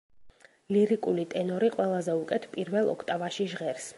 ლირიკული ტენორი ყველაზე უკეთ პირველ ოქტავაში ჟღერს.